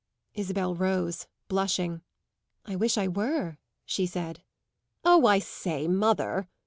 Isabel rose, blushing. "I wish I were," she said. "Oh, I say, mother!"